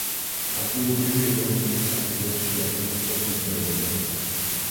ადგილობრივი ეკონომიკის საფუძველს შეადგენს სოფლის მეურნეობა.